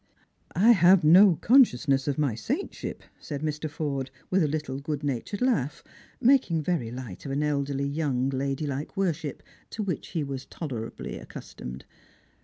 " I have no consciousness of my saintship," said Mr. Forde, with a little good natured laugh, making very light of an elderly young ladylike worship to which he was tolerably accustomed.